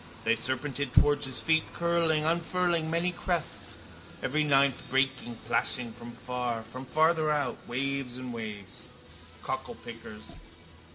They serpented towards his feet, curling, unfurling many crests, every ninth, breaking, plashing, from far, from farther out, waves and waves. Cocklepickers.